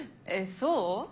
そう？